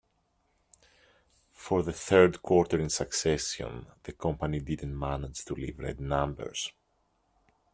For the third quarter in succession, the company didn't manage to leave red numbers.